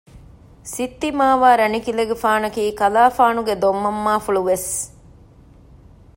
ސިއްތިމާވާ ރަނިކިލެގެފާނަކީ ކަލާފާނުގެ ދޮންމަންމާފުޅު ވެސް